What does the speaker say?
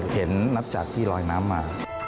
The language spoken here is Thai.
เห็นนับจากที่ลอยน้ำมา